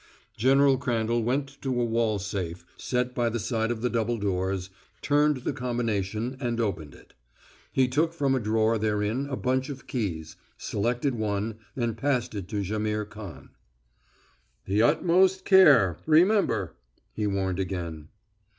General Crandall went to a wall safe set by the side of the double doors, turned the combination, and opened it. He took from a drawer therein a bunch of keys, selected one, and passed it to Jaimihr Khan. "The utmost care, remember!" he warned again.